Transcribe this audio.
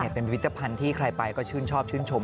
เป็นพิธภัณฑ์ที่ใครไปก็ชื่นชอบชื่นชม